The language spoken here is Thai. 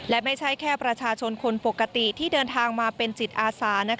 และไม่ใช่แค่ประชาชนคนปกติที่เดินทางมาเป็นจิตอาสา